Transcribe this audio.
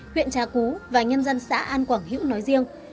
huyện trà cú và nhân dân xã an quảng hữu nói riêng